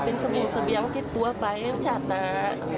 เป็นสะเบียงที่ตัวไปชาติหนา